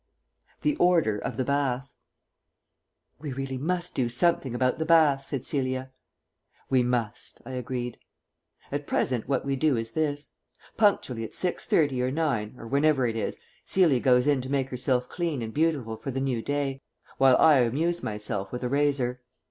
THE ORDER OF THE BATH "We must really do something about the bath," said Celia. "We must," I agreed. At present what we do is this. Punctually at six thirty or nine, or whenever it is, Celia goes in to make herself clean and beautiful for the new day, while I amuse myself with a razor.